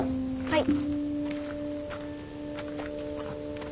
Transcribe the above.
はい。